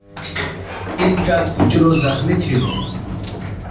اِنڇہ کُچُروۡ زخمیۡ تھِیلوۡ۔